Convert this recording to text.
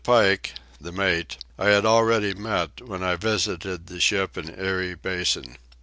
Pike, the mate, I had already met, when I visited the ship in Erie Basin.